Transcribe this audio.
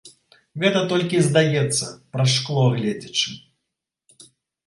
Гэта толькі здаецца, праз шкло гледзячы.